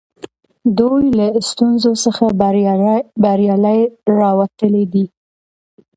دوی له ستونزو څخه بریالي راوتلي دي.